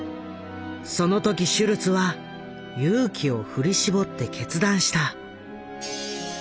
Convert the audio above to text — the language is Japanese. その時シュルツは勇気を振り絞って決断した。